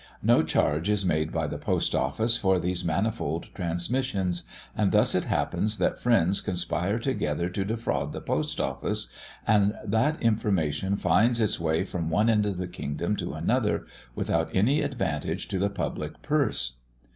No charge is made by the Post Office for these manifold transmissions; and thus it happens that friends conspire together to defraud the Post Office, and that information finds its way from one end of the kingdom to another without any advantage to the public purse.